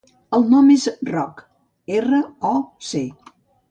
El nom és Roc: erra, o, ce.